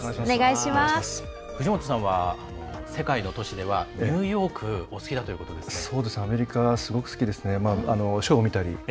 藤本さんは、世界の都市ではニューヨークがお好きだということですね。